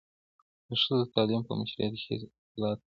د ښځو د تعليم په مشروعيت کي هيڅ اختلاف نسته.